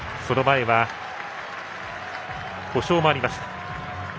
その前は故障もありました。